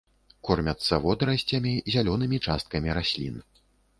Кормяцца водарасцямі, зялёнымі часткамі раслін.